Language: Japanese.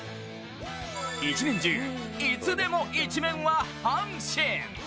一年中、いつでも１面は阪神！